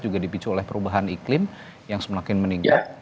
juga dipicu oleh perubahan iklim yang semakin meningkat